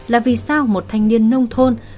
là vì sao một thanh niên nông thôn